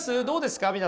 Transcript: どうですか？